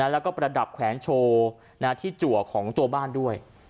แล้วก็ประดับแขวนโชว์ที่จัวของตัวบ้านด้วย